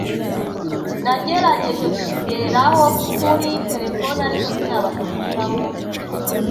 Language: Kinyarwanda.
Nagerageje kukugeraho kuri terefone, ariko sinabasha kunyuramo.